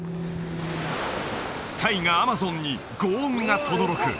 大河アマゾンに轟音がとどろく